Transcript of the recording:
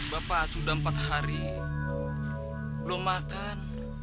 bapak sudah empat hari belum makan